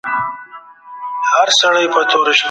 چپس او پاپکړن کم کړئ.